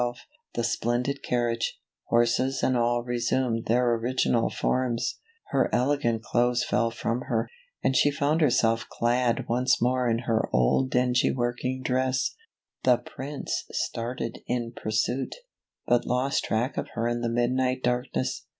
It was well she did so, for at the last stroke of twelve, the splendid carriage, horses and all resumed their original forms, her elegant clothes fell from her, and she found herself clad once more in her old dingy working dress. The Prince started in pursuit, but lost track of her in the midnight darkness.